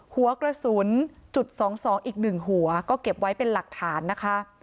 หัวกระสุนจุด๒๒อีก๑หัวก็เก็บไว้เป็นหลักฐานนะคะ